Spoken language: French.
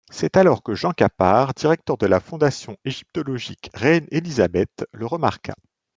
C'est alors que Jean Capart, directeur de la Fondation égyptologique Reine Élisabeth, le remarqua.